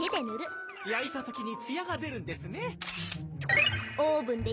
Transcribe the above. やいたときにツヤがでるんですね。